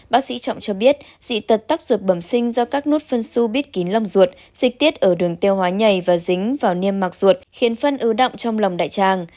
bác sĩ trọng cho biết dị tật tắc ruột bẩm sinh do các nút phân su bít kín lòng ruột dịch tiết ở đường tiêu hóa nhảy và dính vào niêm mạc ruột khiến phân ưu động trong lòng đại tràng